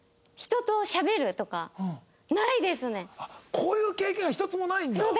こういう経験が一つもないんだ？